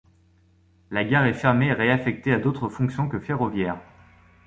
La gare est fermée et réaffectée à d'autres fonctions que ferroviaire.